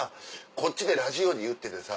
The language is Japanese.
こっちでラジオで言っててさ。